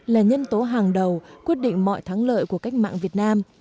là nhân tố hàng đầu quyết định mọi thắng lợi của cách mạng việt nam